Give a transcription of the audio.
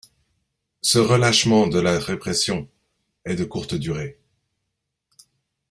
Ce relâchement de la répression est de courte durée.